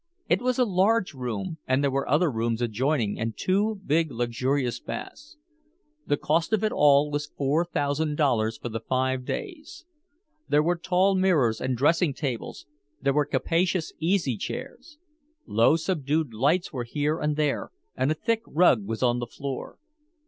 It was a large room, and there were other rooms adjoining and two big luxurious baths. The cost of it all was four thousand dollars for the five days. There were tall mirrors and dressing tables, there were capacious easy chairs. Low subdued lights were here and there, and a thick rug was on the floor.